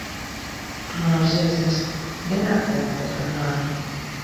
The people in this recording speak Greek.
Μα ο Ζέζας δεν άκουε από φρονιμάδα